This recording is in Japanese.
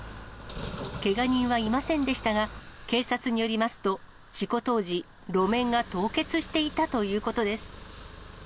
けが人はいませんでしたが、警察によりますと、事故当時、路面が凍結していたということです。